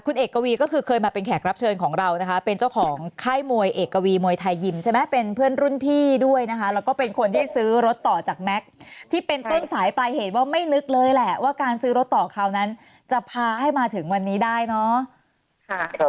คุณเอกวีก็คือเคยมาเป็นแขกรับเชิญของเรานะคะเป็นเจ้าของค่ายมวยเอกวีมวยไทยยิมใช่ไหมเป็นเพื่อนรุ่นพี่ด้วยนะคะแล้วก็เป็นคนที่ซื้อรถต่อจากแม็กซ์ที่เป็นต้นสายปลายเหตุว่าไม่ลึกเลยแหละว่าการซื้อรถต่อคราวนั้นจะพาให้มาถึงวันนี้ได้เนาะ